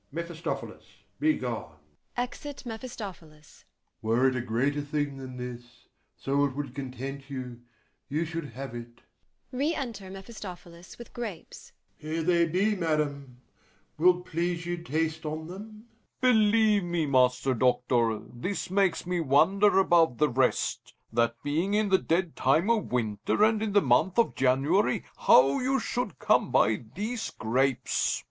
Mephistophilis, be gone. [Exit MEPHISTOPHILIS.] Were it a greater thing than this, so it would content you, you should have it. Re enter MEPHISTOPHILIS with grapes. Here they be, madam: wilt please you taste on them? DUKE. Believe me, Master Doctor, this makes me wonder above the rest, that being in the dead time of winter and in the month of January, how you should come by these grapes. FAUSTUS.